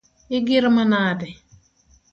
Igir manade?